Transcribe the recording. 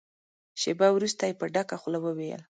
شېبه وروسته يې په ډکه خوله وويل.